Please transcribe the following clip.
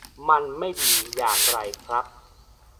มันไม่ดีอย่างไรครับ